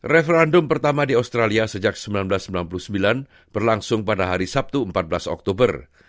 referendum pertama di australia sejak seribu sembilan ratus sembilan puluh sembilan berlangsung pada hari sabtu empat belas oktober